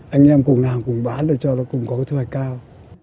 anh em cùng làm cùng bán để cho nó cùng có cái thời cao